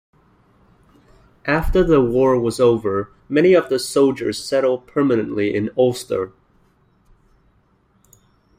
After the war was over, many of the soldiers settled permanently in Ulster.